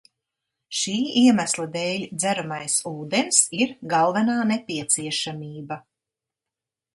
Šī iemesla dēļ dzeramais ūdens ir galvenā nepieciešamība.